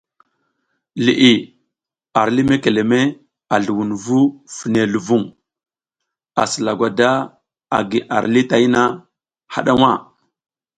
Liʼi nga ar lih mekeleme a zluwunvu fine luvuŋ asi lagwada agi ar lih tayna haɗa nha.